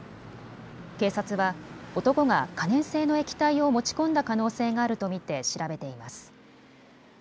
警察は男が可燃性の液体を持ち込んだ可能性があると見て調べています。